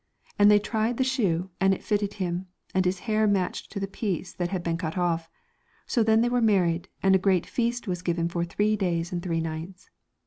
And they tried the shoe and it fitted him, and his hair matched to the piece that had been cut off. So then they were married, and a great feast was given for three days and three nights.